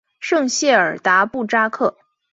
圣谢尔达布扎克。